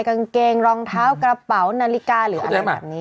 กางเกงรองเท้ากระเป๋านาฬิกาหรืออะไรแบบนี้